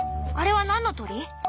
あれは何の鳥？